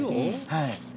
はい。